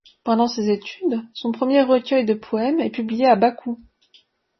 Pendant ses études, son premier recueil de poèmes est publié à Bakou.